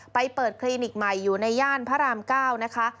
ไปเปิดคลินิกใหม่อยู่ในย่านพระราม๙นะคะ